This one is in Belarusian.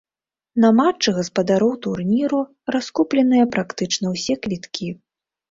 На матчы гаспадароў турніру раскупленыя практычна ўсе квіткі.